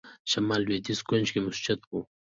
شمال لوېدیځ کونج کې مسجد و.